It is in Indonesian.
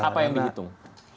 apa yang dihitung